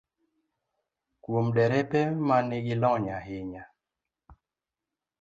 Kuom derepe ma nigi lony ahinya,